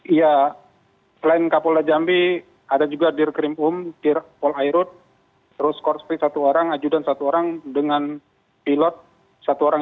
iya selain kapolda jambi ada juga dir krim um dir pol airut terus korspit satu orang ajudan satu orang dengan pilot satu orang